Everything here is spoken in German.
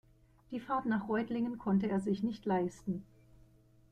Die Fahrt nach Reutlingen konnte er sich nicht leisten